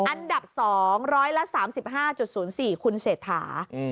อันดับ๒ร้อยละ๓๕๐๔คุณเศษฐา